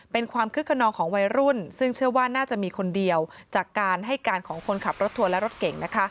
เป็นความคึกขนองของวัยรุ่นซึ่งเชื่อว่าน่าจะมีคนเดียวจากการให้การของคนขับรถทัวร์และรถเก่ง